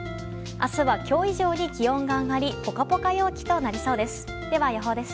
明日は、今日以上に気温が上がりポカポカ陽気となりそうです。